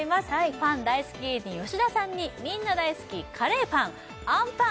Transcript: パン大好き芸人吉田さんにみんな大好きカレーパン